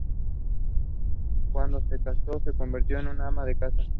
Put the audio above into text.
Cuando se casó se convirtió en ama de casa.